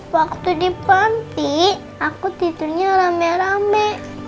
waktu di panti aku tidurnya rame rame